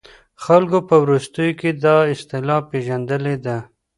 خلګو په وروستيو کې دا اصطلاح پېژندلې ده.